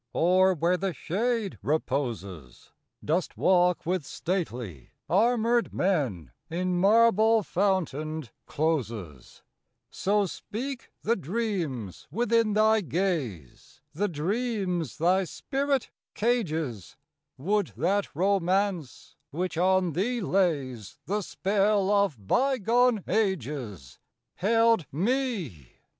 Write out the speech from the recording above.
Or where the shade reposes, Dost walk with stately armored men In marble fountained closes? So speak the dreams within thy gaze. The dreams thy spirit cages, Would that Romance which on thee lays The spell of bygone ages Held me!